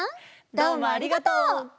どうもありがとう！